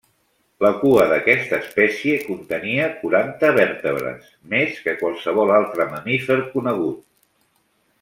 La cua d'aquesta espècie contenia quaranta vèrtebres, més que qualsevol altre mamífer conegut.